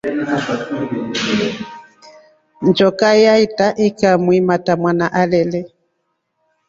Njoka yaitra ikamuimata mwawna avelele.